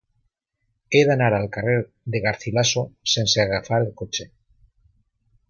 He d'anar al carrer de Garcilaso sense agafar el cotxe.